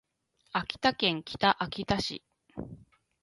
秋田県北秋田市